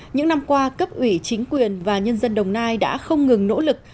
những năm qua cấp ủy chính quyền và nhân dân đồng nai đã không ngừng nỗ lực